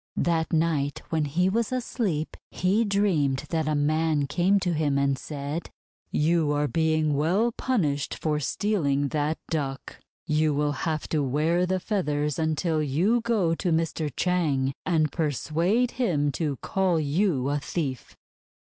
That night, when he was asleep, he dreamed that a man came to him and said :— "You are being well punished for stealing 354 THE WONDER GARDEN that Duck. You will have to wear the feathers until you go to Mr. Chang, and persuade him to call you a thief."